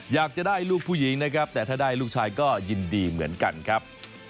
อยากจะได้ลูกผู้หญิงนะครับแต่ถ้าได้ลูกชายก็ยินดีเหมือนกันครับ